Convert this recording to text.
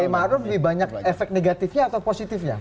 pak maruf lebih banyak efek negatifnya atau positifnya